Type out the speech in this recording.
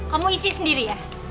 kamu isi sendiri ya